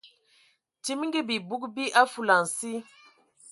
Timigi bibug bi a fulansi.